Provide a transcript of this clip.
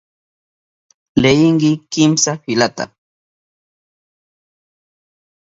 Leyinki kimsa filata.